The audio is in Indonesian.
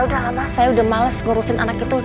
udah lama saya udah males ngurusin anak itu